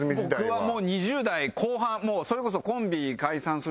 僕は２０代後半それこそコンビ解散する直前ですね。